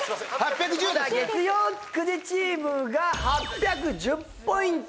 月曜９時チームが８１０ポイント。